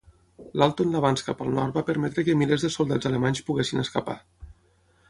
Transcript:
L'alto en l'avanç cap al nord va permetre que milers de soldats alemanys poguessin escapar.